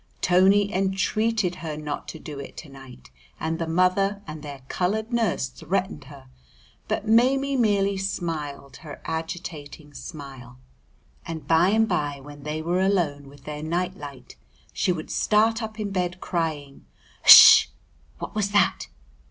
Tony entreated her not to do it to night, and the mother and their coloured nurse threatened her, but Maimie merely smiled her agitating smile. And by and by when they were alone with their night light she would start up in bed crying "Hsh! what was that?"